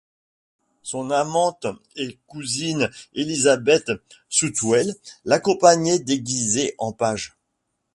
Son amante et cousine Élisabeth Southwell l’accompagnait déguisée en page.